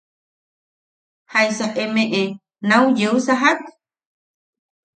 ¿Jaisa emeʼe nau yeu sajak?